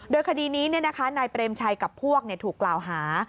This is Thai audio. โดยคดีนี้นายเปรมชัยกับพวกถูกกล่าวหา